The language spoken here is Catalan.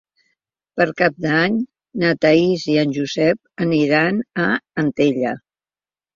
Per Cap d'Any na Thaís i en Josep aniran a Antella.